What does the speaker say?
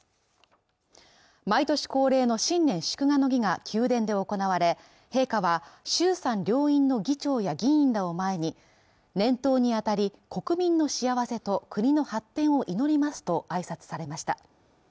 毎年恒例の新年祝賀の儀が宮殿で行われ陛下は衆参両院の議長や議員らを前に年頭に当たり、国民の幸せと国の発展を祈りますと挨拶されました。